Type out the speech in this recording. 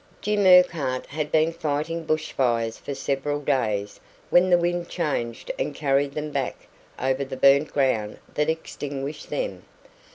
Jim Urquhart had been fighting bush fires for several days when the wind changed and carried them back over the burnt ground that extinguished them.